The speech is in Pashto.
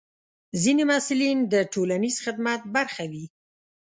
ځینې محصلین د ټولنیز خدمت برخه وي.